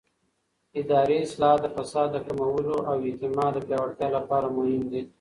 اداري اصلاحات د فساد د کمولو او اعتماد د پیاوړتیا لپاره مهم دي